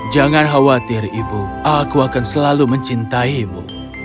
jangan khawatir ibu aku akan selalu mencintaimu